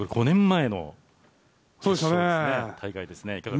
５年前の大会ですね。